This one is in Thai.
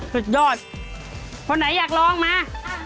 สุดยอดคนไหนอยากลองมา